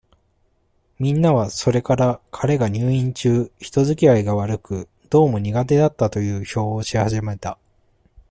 みんなは、それから、彼が入院中、人づきあいが悪く、どうも苦手だったという評をし始めた。